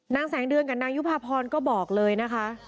นางแสงเดือนกับนางยุภาพรก็บอกเลยนะคะ